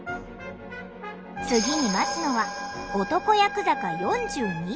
次に待つのは男厄坂４２段。